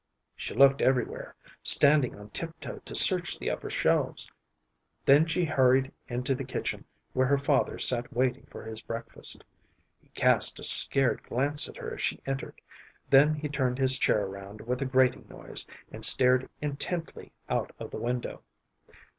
She looked everywhere, standing on tiptoe to search the upper shelves. Then she hurried into the kitchen, where her father sat waiting for his breakfast. He cast a scared glance at her as she entered; then he turned his chair around with a grating noise, and stared intently out of the window.